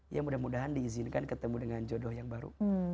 ya mudah mudahan diizinkan ketemu dengan jodoh yang baru